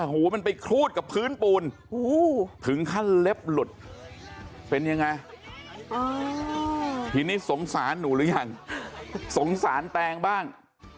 หูมันไปคลูดกับพื้นปูนถึงขั้นเล็บหลุดเป็นยังไงทีนี้สงสารหนูหรือยังสงสารแตงบ้าง